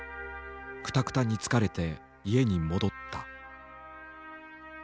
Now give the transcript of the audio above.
くたくたに疲れて家に戻った。